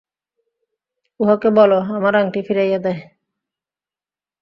উহাকে বলো, আমার আংটি ফিরাইয়া দেয়।